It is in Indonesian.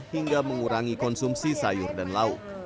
hingga mengurangi konsumsi sayur dan lauk